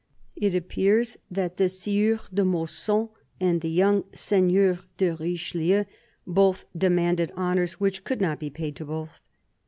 It appears that the Sieur de Mausson and the young Seigneur de Richelieu both demanded honours which could not be paid to both.